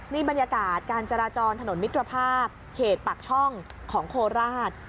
นี่บรรยากาศการจราจรถนนมิตรภาพเขตปากช่องของโคราช